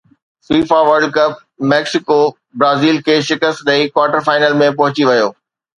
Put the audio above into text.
FIFA World Cup Mexico Brazil کي شڪست ڏئي ڪوارٽر فائنل ۾ پهچي ويو